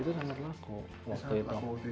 itu nomor laku waktu itu